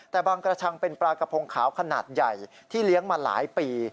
แต่บางกระชังเป็นปลากระพงขาวขนาดใหญ่ที่เลี้ยงมาหลายปี